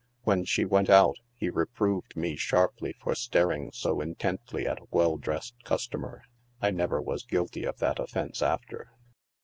"When she went out, he reproved me sharply for staring so intently at a well dressed customer ; I never was guilty of that offence after.